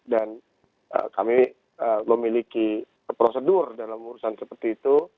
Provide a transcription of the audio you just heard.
dan kami memiliki prosedur dalam urusan seperti itu